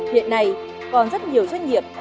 hiện nay còn rất nhiều doanh nghiệp